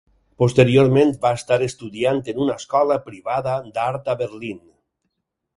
Posteriorment va estar estudiant en una escola privada d'art a Berlín.